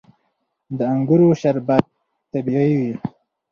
د انګورو شربت طبیعي وي.